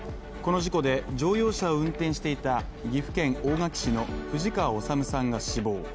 この事故で乗用車を運転していた岐阜県大垣市の藤川治さんが死亡。